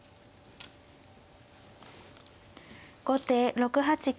後手６八金。